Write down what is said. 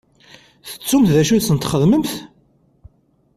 Tettumt d acu i sen-txedmemt?